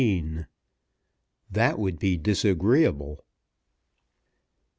"THAT WOULD BE DISAGREEABLE."